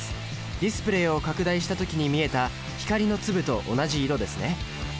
ディスプレイを拡大した時に見えた光の粒と同じ色ですね。